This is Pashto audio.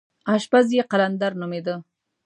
اشپز یې قلندر نومېده.